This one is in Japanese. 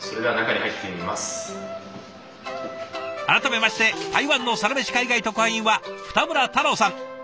改めまして台湾のサラメシ海外特派員は二村太郎さん。